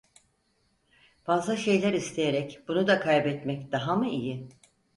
Fazla şeyler isteyerek bunu da kaybetmek daha mı iyi?